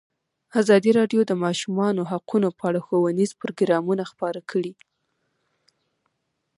ازادي راډیو د د ماشومانو حقونه په اړه ښوونیز پروګرامونه خپاره کړي.